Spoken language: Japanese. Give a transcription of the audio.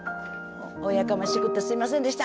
おやかましくてすいませんでした。